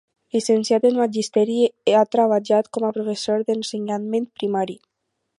Llicenciat en magisteri, ha treballat com a professor d'ensenyament primari.